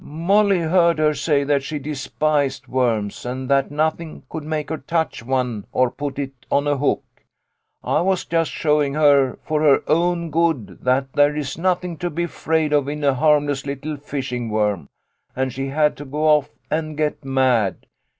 " Molly heard her say that she despised worms, and that nothing could make her touch one or put it on a hook. I was just show ing her for her own good that there is nothing to be afraid of in a harmless little fishing worm, and she had to go off and get mad.